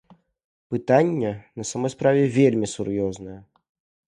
Пытанне на самай справе вельмі сур'ёзнае.